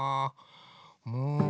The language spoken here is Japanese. うん。